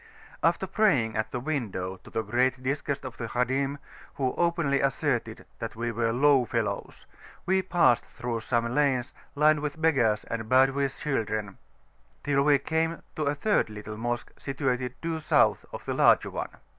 After praying at the window, to the great disgust of the Khadim, who openly asserted that we were "low [p.412]fellows," we passed through some lanes lined with beggars and Badawi children, till we came to a third little Mosque situated due South of the larger one.